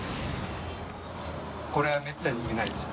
これはめったに見ないでしょ。